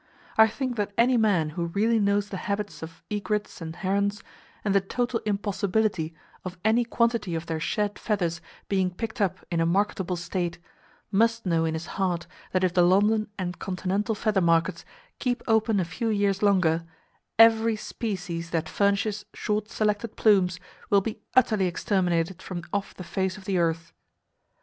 I think that any man who really knows the habits of egrets and herons, and the total impossibility of any quantity of their shed feathers being picked up in a marketable state, must know in his heart that if the London and continental feather markets keep open a few years longer, every species that furnishes "short selected" plumes will be utterly exterminated from off the face of the earth.